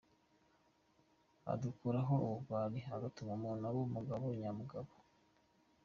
Adukuraho ubugwari, agatuma umuntu aba umugabo nya mugabo.